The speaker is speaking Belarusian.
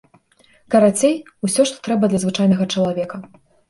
Карацей усё, што трэба для звычайнага чалавека.